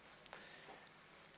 di tepian desa